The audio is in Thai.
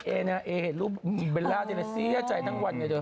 เอออ่ะเอออ่ะลูกเบลล่าที่น่าเสียใจทั้งวันไงเธอ